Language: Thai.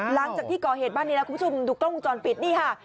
หลังจากที่ก่อเหตุบ้านนี้แล้วคุณผู้ชมดูกล้องวงจรปิดนี่ค่ะ